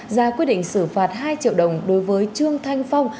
ra quyết định xử phạt hai triệu đồng đối với trương thanh phong